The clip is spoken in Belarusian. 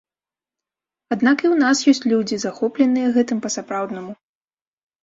Аднак і ў нас ёсць людзі, захопленыя гэтым па-сапраўднаму.